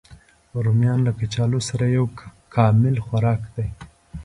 رومیان له کچالو سره یو کامل خوراک دی